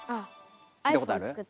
聞いたことある？